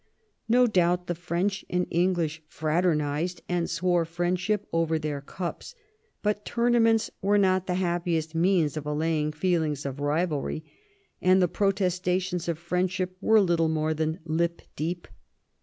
No doubt the French and English fraternised, and swore friendship over their cups ; but tournaments were not the happiest means of allaying feelings of rivalry, and the protestations of friendship were little more than lip deep.